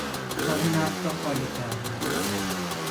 چاه نفت را خالی کردن